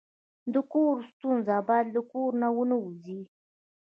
د کور ستونزه باید له کوره ونه وځي.